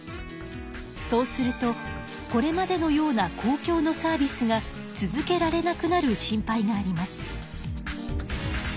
そうするとこれまでのような公共のサービスが続けられなくなる心配があります。